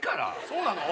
そうなの？